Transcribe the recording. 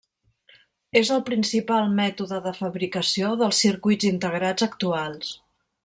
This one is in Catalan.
És el principal mètode de fabricació dels circuits integrats actuals.